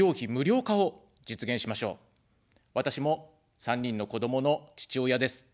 私も３人の子どもの父親です。